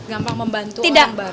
gampang membantu orang baru